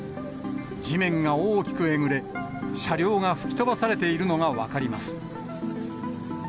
地面が大きくえぐれ、車両が吹き飛ばされているのが分かります。